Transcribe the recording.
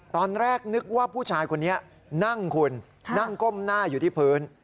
ตอนแรกนึกว่าผู้ชายคนนี้นั่งคุณนั่งก้มหน้าอยู่ที่พื้น